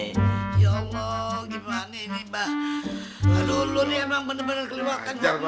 hai hehehe yo yo gimana ini mbak dulu memang bener bener kelewatkan